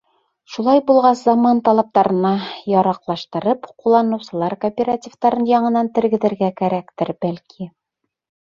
Шулай булғас, заман талаптарына яраҡлаштырып, ҡулланыусылар кооперативтарын яңынан тергеҙергә кәрәктер, бәлки?